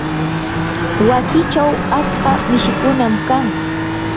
wasichaw atska mishikunam kan.